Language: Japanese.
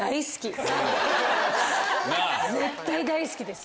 絶対大好きです。